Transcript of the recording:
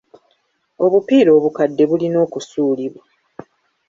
Obupiira obukadde bulina okusuulibwa.